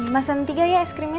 mesan tiga ya es krimnya